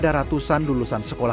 dan anggal nanti di grup aprendise